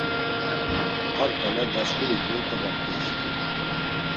Ar ǩale daçxuri goyt̆obamt̆eyşa.